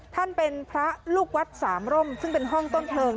ท่านเป็นพระลูกวัดสามร่มซึ่งเป็นห้องต้นเพลิง